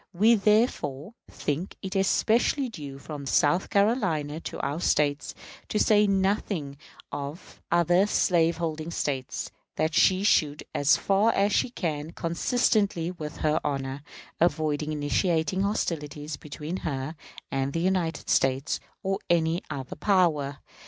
We, therefore, think it especially due from South Carolina to our States to say nothing of other slaveholding States that she should, as far as she can, consistently with her honor, avoid initiating hostilities between her and the United States or any other power.